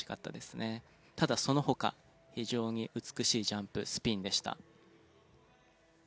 ただその他非常に美しいジャンプスピンでした。